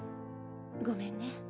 ごめんね。